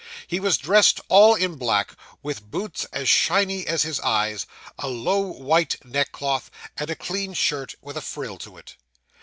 He was dressed all in black, with boots as shiny as his eyes, a low white neckcloth, and a clean shirt with a frill to it.